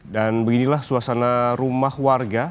dan beginilah suasana rumah warga